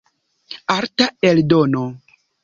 Arta eldono.